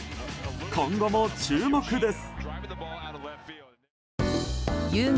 今後も注目です。